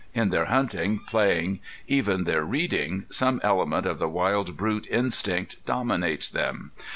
In their hunting, playing, even their reading, some element of the wild brute instinct dominates them.